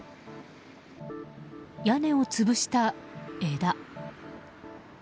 屋根を潰した枝。